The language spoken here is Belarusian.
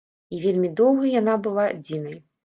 І вельмі доўга яна была адзінай.